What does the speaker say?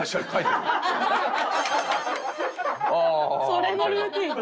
それのルーティン。